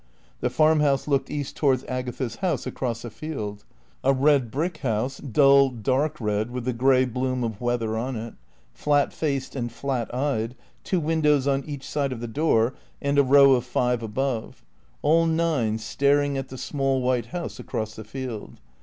The farmhouse looked east towards Agatha's house across a field; a red brick house dull, dark red with the grey bloom of weather on it flat faced and flat eyed, two windows on each side of the door and a row of five above, all nine staring at the small white house across the field.